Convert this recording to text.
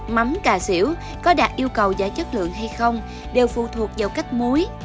mắm cà xỉu có đạt yêu cầu và chất lượng hay không đều phụ thuộc vào cách muối